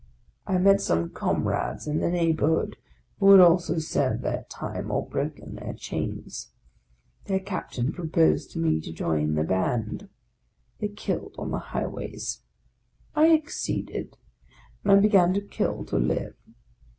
I met some comrades in the neighbourhood who had also served their time or broken their chains. Their captain proposed to me to join the band. They killed on the highways. I acceded, and I began to kill to live.